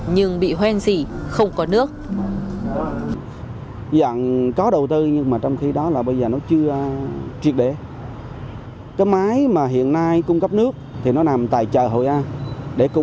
nhưng bị hoen dỉ không có nước